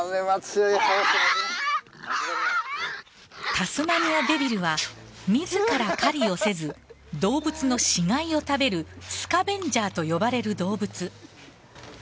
タスマニアデビルは自ら狩りをせず動物の死骸を食べるスカベンジャーと呼ばれる動物。